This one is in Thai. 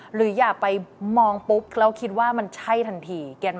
อย่าไปมองปุ๊บแล้วคิดว่ามันใช่ทันที